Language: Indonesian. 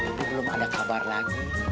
itu belum ada kabar lagi